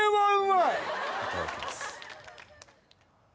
いただきます。